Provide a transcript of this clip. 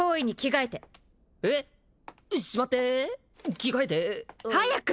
着替えて？早く！